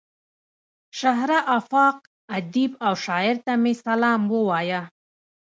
شهره آفاق ادیب او شاعر ته مې سلام ووايه.